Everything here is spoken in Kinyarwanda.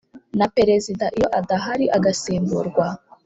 Na perezida iyo adahari agasimburwa